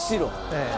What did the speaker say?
ええ。